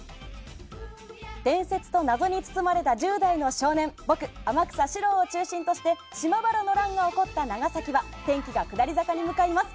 伝説と謎に包まれた１０代の少年僕、天草四郎を中心として島原の乱が起こった長崎は天気が下り坂に向かいます。